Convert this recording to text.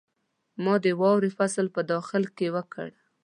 ما د واورې فصل په داخل کې وکړ.